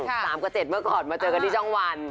๓กับ๗เมื่อก่อนมาเจอกันที่ช่องวัน